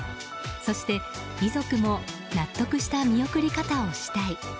そして、遺族も納得した見送り方をしたい。